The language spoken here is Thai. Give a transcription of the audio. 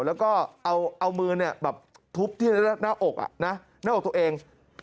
แล้วก็เอามือทุบที่หน้าอกหน้าอกตัวเอง